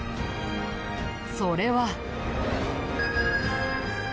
それは。